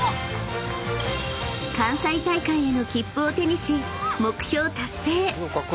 ［関西大会への切符を手にし目標達成！］